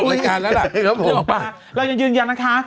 รฟมั้งรอคว่าเราจะยืนยันนะคะ